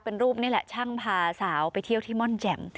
เป็นรูปนี่แหละช่างพาสาวไปเที่ยวที่ม่อนแจ่ม